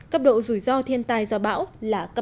cấp độ rủi ro thiên tài do bão là cấp ba